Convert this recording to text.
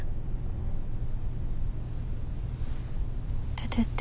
出てって。